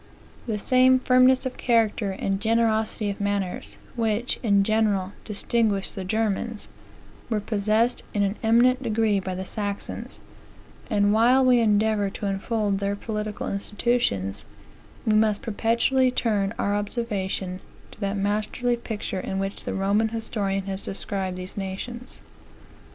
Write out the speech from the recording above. "The same firmness of character, and generosity of manners, which, in general, distinguished the Germans, were possessed in an eminent degree by the Saxons; and while we endeavor to unfold their political institutions, we must perpetually turn our observation to that masterly picture in which the Roman historian has described these nations.